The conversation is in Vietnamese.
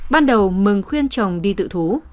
ban đầu mừng khuyên chồng đi tự thú